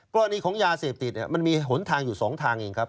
กรณีของยาเสพติดมันมีหนทางอยู่๒ทางเองครับ